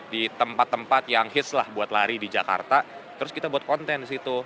di tempat tempat yang hits lah buat lari di jakarta terus kita buat konten di situ